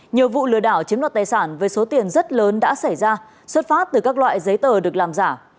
nhiều vụ lừa đảo chiếm đoạt tài sản với số tiền rất lớn đã xảy ra xuất phát từ các loại giấy tờ được làm giả